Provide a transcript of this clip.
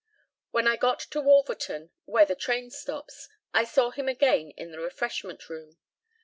When I got to Wolverton, where the train stops, I saw him again in the refreshment room.